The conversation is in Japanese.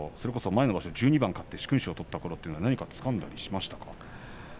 前の場所、１２勝勝って殊勲賞取ったころは何かつかんだりしましたか。